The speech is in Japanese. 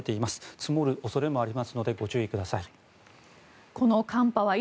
積もる恐れもありますのでご注意ください。